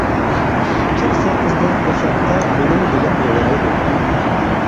كىرسە قىزلار قوشاققا، مىنىڭ دىلىم يايرايدۇ.